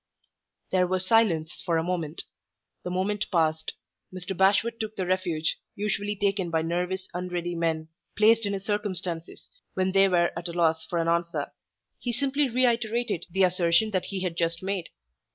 There was silence for a moment. The moment passed, Mr. Bashwood took the refuge usually taken by nervous, unready men, placed in his circumstances, when they are at a loss for an answer. He simply reiterated the assertion that he had just made.